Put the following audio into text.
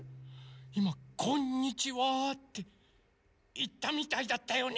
いま「こんにちは」っていったみたいだったよね。